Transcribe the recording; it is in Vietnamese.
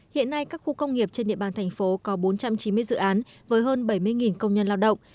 hiện nay các khu công nghiệp trên địa bàn thành phố có bốn trăm chín mươi dự án với hơn bảy mươi công nhân lao động